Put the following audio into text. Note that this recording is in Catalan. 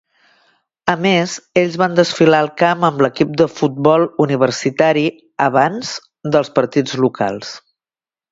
A més, ells van desfilar al camp amb l"equip de futbol universitari abans dels partits locals.